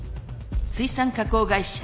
水産加工会社。